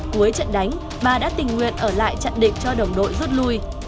cuối trận đánh bà đã tình nguyện ở lại trận định cho đồng đội rút lui